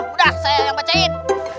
udah saya yang bacain